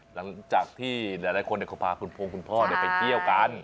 หลังจากที่หลายคนเขาพาคุณพงคุณพ่อไปเที่ยวกัน